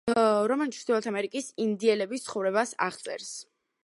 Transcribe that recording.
რომანი ჩრდილოეთ ამერიკის ინდიელების ცხოვრებას აღწერს.